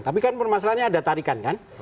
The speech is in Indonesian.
tapi kan permasalahannya ada tarikan kan